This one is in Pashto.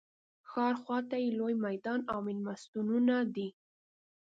ښار خواته یې لوی میدان او مېلمستونونه دي.